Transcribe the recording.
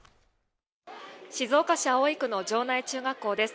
静岡市葵区の城内中学校です。